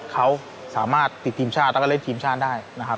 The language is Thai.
เขาสามารถติดทีมชาติแล้วก็เล่นทีมชาติได้นะครับ